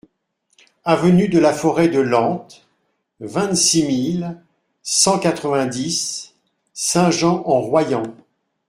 Avenue de la Forêt de Lente, vingt-six mille cent quatre-vingt-dix Saint-Jean-en-Royans